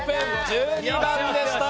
１２番でした。